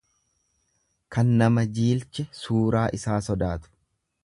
Kan nama jiilche suuraa isaa sodaatu.